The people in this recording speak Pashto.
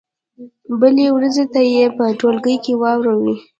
بلې ورځې ته یې په ټولګي کې واورئ.